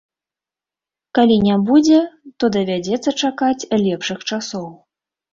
Калі не будзе, то давядзецца чакаць лепшых часоў.